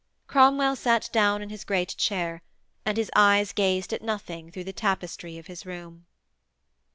Cromwell sat down in his great chair, and his eyes gazed at nothing through the tapestry of his room.